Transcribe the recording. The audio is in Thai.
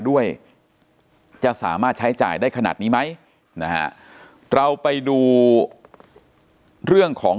ด้วยจะสามารถใช้จ่ายได้ขนาดนี้ไหมนะฮะเราไปดูเรื่องของ